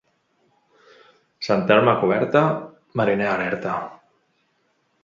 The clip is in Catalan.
Sant Elm a coberta, mariner alerta.